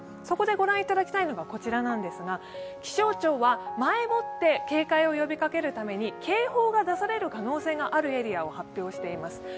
そこでご覧いただきたいのがこちらなんですが、気象庁は前もって警戒を呼びかけるために警報が出される可能性があるエリアを発表しています。